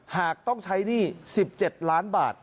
หากต้องใช้หนี้๑๗ล้านบาท